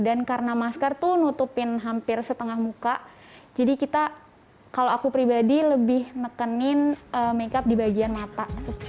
dan karena masker tuh nutupin hampir setengah muka jadi kita kalau aku pribadi lebih nekenin makeup di bagian mata